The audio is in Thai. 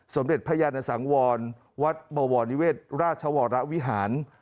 สมเด็จพระยานสังวรวัดบวรนิเวศราชวรวิหาร